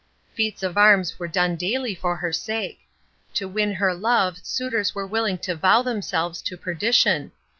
Feats of arms were done daily for her sake. To win her love suitors were willing to vow themselves to perdition.